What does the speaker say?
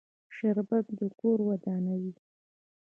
شربت د کور ودانوي